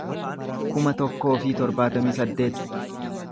kuma tokkoo fi torbaatamii saddeet